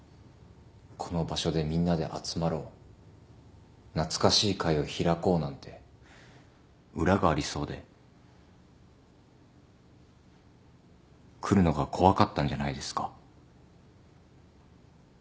この場所でみんなで集まろう懐かしい会を開こうなんて裏がありそうで来るのが怖かったんじゃないですか？